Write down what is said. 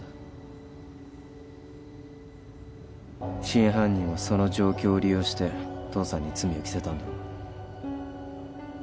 真犯人はその状況を利用して父さんに罪を着せたんだろ。